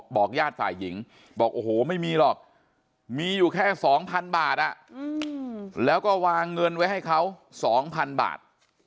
บอกญาติฝ่ายหญิงบอกโอ้โหไม่มีหรอกมีอยู่แค่๒๐๐๐บาทแล้วก็วางเงินไว้ให้เขา๒๐๐๐บาท